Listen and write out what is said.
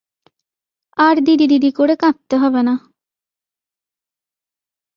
আর দিদি দিদি করে কাঁদতে হবে না।